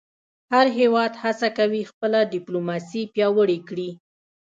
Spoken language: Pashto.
هر هېواد هڅه کوي خپله ډیپلوماسي پیاوړې کړی.